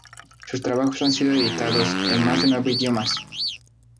Sus trabajos han sido editados en más de nueve idiomas.